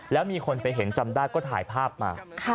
แล้วมีคนไปเห็นจำได้ก็ถ่ายภาพมา